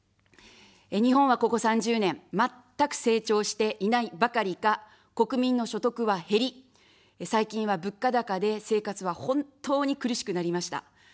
日本はここ３０年、全く成長していないばかりか、国民の所得は減り、最近は物価高で生活は本当に苦しくなりました。